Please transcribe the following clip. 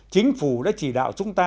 chính phủ đã chỉ đạo chúng ta